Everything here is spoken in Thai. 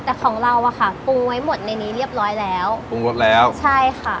แต่ของเราอ่ะค่ะปรุงไว้หมดในนี้เรียบร้อยแล้วปรุงรสแล้วใช่ค่ะ